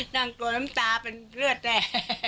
นั่งโกรธน้ำตาเป็นเลือดแหล่